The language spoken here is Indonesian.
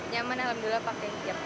nyaman alhamdulillah pak